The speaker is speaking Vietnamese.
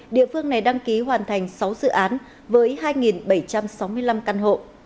địa phương này đăng ký hoàn thành sáu dự án với hai bảy trăm sáu mươi năm căn hộ